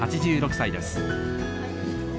８６歳です。